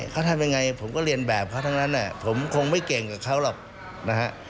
เขาทำยังไงผมก็เรียนแบบเขาทั้งนั้นผมคงไม่เก่งกับเขาหรอกนะฮะ